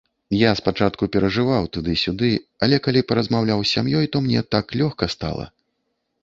Я спачатку перажываў, туды-сюды, але калі паразмаўляў з сям'ёй, то мне так лёгка стала.